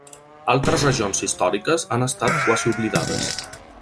Altres regions històriques han estat quasi oblidades.